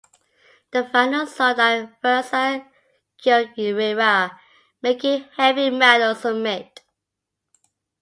The final saw that Fuerza Guerrera making Heavy Metal submit.